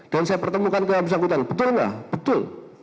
dan saya pertemukan ke yang bersangkutan betul nggak betul